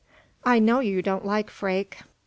"I know you don't like Freke."